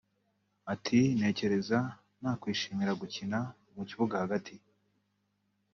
Ati “ Ntekereza nakwishimira gukina mu kibuga hagati